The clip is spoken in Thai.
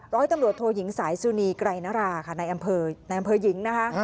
ร้อยตำรวจโทยิงสายซูนีไกรนาราค่ะในอำเภอหญิงนะคะ